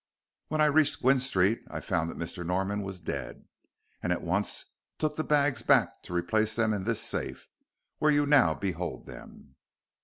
When I reached Gwynne Street I found that Mr. Norman was dead, and at once took the bags back to replace them in this safe, where you now behold them."